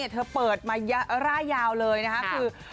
เธอเปิดมาร่ายยาวเลยนะคะคือ